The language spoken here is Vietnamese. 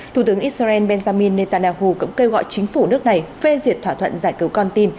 thủ tướng israel benjamin netanyahu cũng kêu gọi chính phủ nước này phê duyệt thỏa thuận giải cứu con tin